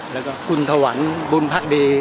แล้วก็คุณธวรรณบุญพระดี